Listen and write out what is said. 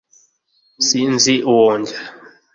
sinzi uwo njya